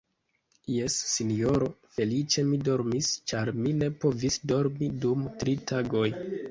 Jes, sinjoro, feliĉe mi dormis, ĉar mi ne povis dormi dum tri tagoj.